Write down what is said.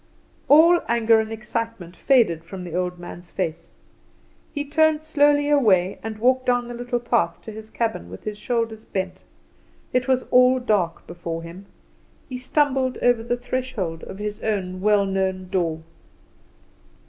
All anger and excitement faded from the old man's face. He turned slowly away and walked down the little path to his cabin, with his shoulders bent; it was all dark before him. He stumbled over the threshold of his own well known door.